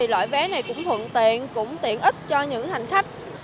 loại vé này cũng thuận tiện cũng tiện ít cho những hành khách